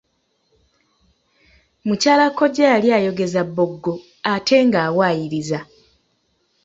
Mukyala kkojja yali ayogeza bboggo ate ng'awaayiriza.